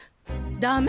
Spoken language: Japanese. ダメ